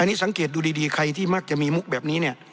อันนี้สังเกตดูดีใครที่มักจะมีมุกแบบนี้เนี่ย